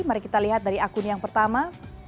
mari kita lihat dari akun yang pertama